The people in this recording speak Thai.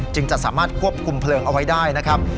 จะสามารถควบคุมเพลิงเอาไว้ได้นะครับ